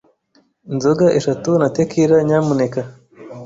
Inzoga eshatu na tequila nyamuneka!